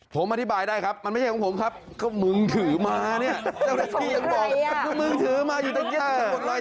เปิดเลย